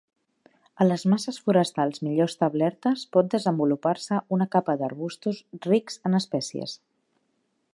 A les masses forestals millor establertes pot desenvolupar-se una capa d'arbustos rics en espècies.